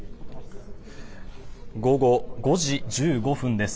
午後５時１５分です。